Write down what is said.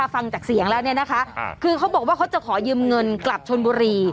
ฟังจากเสียงแล้วเนี่ยนะคะคือเขาบอกว่าเขาจะขอยืมเงินกลับชนบุรี